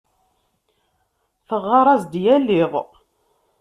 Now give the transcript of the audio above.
Teɣɣar-as-d yal iḍ.